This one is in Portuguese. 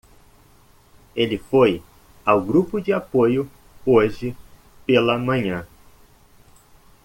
Ele foi ao grupo de apoio hoje pela manhã.